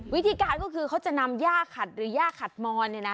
วิธีการก็คือเขาจะนำย่าขัดหรือย่าขัดมอนเนี่ยนะ